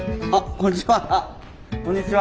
こんにちは。